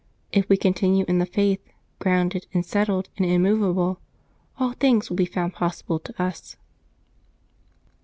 " If we continue in the faith, grounded, and settled, and immovable/' all things will be found possible to us.